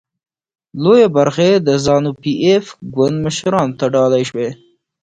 لویه برخه یې د زانو پي ایف ګوند مشرانو ته ډالۍ شوې.